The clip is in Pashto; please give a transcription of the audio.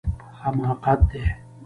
حماقت دی